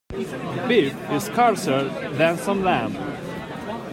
Beef is scarcer than some lamb.